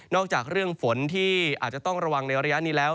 จากเรื่องฝนที่อาจจะต้องระวังในระยะนี้แล้ว